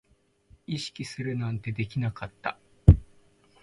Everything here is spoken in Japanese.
意識するなんてできなかった